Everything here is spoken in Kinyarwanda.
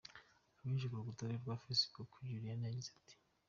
Abinyujije ku rukuta rwe rwa Facebook, Juliana yagize ati:.